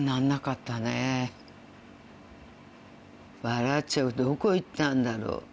笑っちゃうどこ行ったんだろう？